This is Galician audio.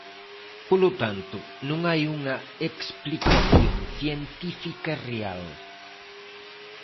Polo tanto, non hai unha explicación científica real.